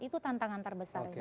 itu tantangan terbesarnya